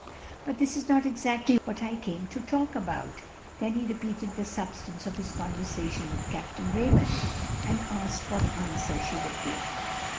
"But this is not exactly what I came to talk about." Then he repeated the substance of his conversation with Capt. Raymond, and asked what answer she would give.